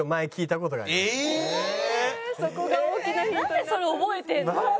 なんでそれ覚えてるの？